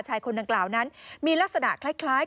ชายคนดังกล่าวนั้นมีลักษณะคล้าย